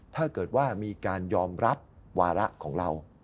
ถ้าเกิดว่ามีการยอมรับวาระของเรา